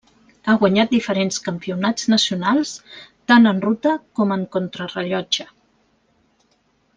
Ha guanyat diferents campionats nacionals tant en ruta com en contrarellotge.